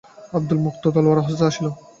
আবদুল মুক্ত তলোয়ার হস্তে আসিল।